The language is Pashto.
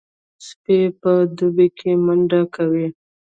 سپي په دوبي کې منډې کوي.